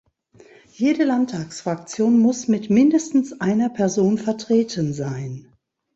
Jede Landtagsfraktion muss mit mindestens einer Person vertreten sein.